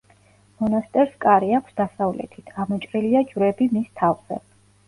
მონასტერს კარი აქვს დასავლეთით, ამოჭრილია ჯვრები მის თავზე.